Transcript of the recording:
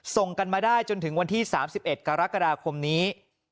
ส่งกันมาได้จนถึงวันที่๓๑กรกฎาคมนี้